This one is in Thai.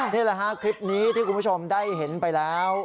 นี่แหละฮะคลิปนี้ที่คุณผู้ชมได้เห็นไปแล้ว